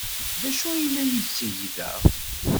D acu ay la yetteg da?